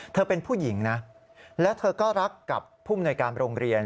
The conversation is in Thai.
เธอเป็นผู้หญิงนะแล้วเธอก็รักกับผู้มนวยการโรงเรียน